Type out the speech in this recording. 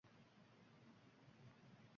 qoʼshiq ohangida teran bir mung toʼkilar edi…